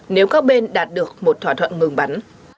nếu các bên đạt được một thỏa thuận ngừng bắn